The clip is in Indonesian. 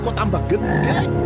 kok tambah gede